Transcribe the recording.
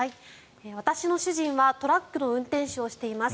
私の主人はトラックの運転手をしています。